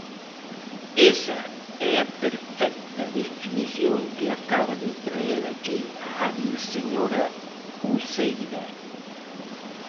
Esa é a perfecta definición que acaba de traer aquí a hábil señora Uceira.